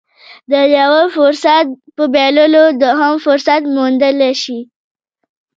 د يوه فرصت په بايللو دوهم فرصت موندلی شي.